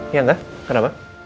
iya enggak kenapa